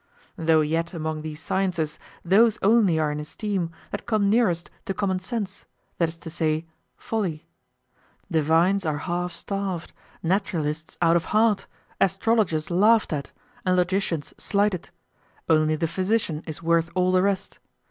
Though yet among these sciences those only are in esteem that come nearest to common sense, that is to say, folly. Divines are half starved, naturalists out of heart, astrologers laughed at, and logicians slighted; only the physician is worth all the rest.